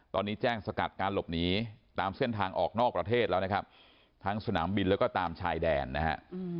ตอนนี้แจ้งสกัดการหลบหนีตามเส้นทางออกนอกประเทศแล้วนะครับทั้งสนามบินแล้วก็ตามชายแดนนะฮะ